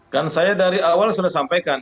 kan saya dari awal sudah sampaikan